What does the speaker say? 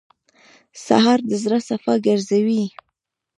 سهار د زړه صفا ګرځوي.